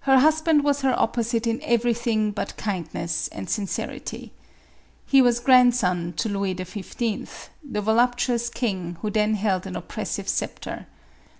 Her husband was her opposite in everything but kindness and sincerity. He was grandson to Louis XV., the voluptuous king who then held an oppressive sceptre.